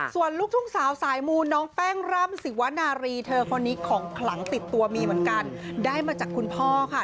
ส่วนลูกทุ่งสาวสายมูน้องแป้งร่ำสิวนารีเธอคนนี้ของขลังติดตัวมีเหมือนกันได้มาจากคุณพ่อค่ะ